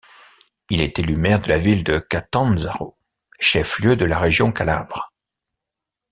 Il est élu maire de la ville de Catanzaro, chef-lieu de la région Calabre.